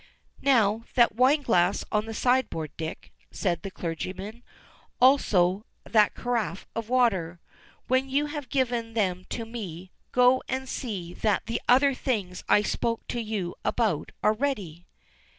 "Now that wine glass on the sideboard, Dick," said the clergyman, "also that carafe of water. When you have given them to me, go and see that the others things I spoke to you about are ready."